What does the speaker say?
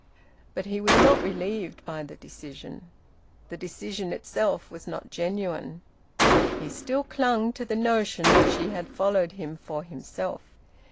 But he was not relieved by the decision. The decision itself was not genuine. He still clung to the notion that she had followed him for himself.